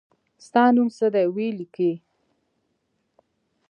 ستا نوم څه دی وي لیکی